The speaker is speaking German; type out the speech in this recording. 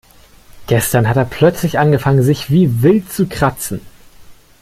Gestern hat er plötzlich angefangen sich wie wild zu kratzen.